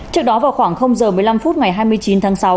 trước đó vào khoảng giờ một mươi năm phút ngày hai mươi chín tháng sáu